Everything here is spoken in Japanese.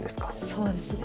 そうですね。